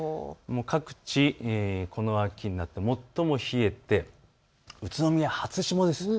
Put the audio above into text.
各地、秋になって最も冷えて宇都宮、初霜です。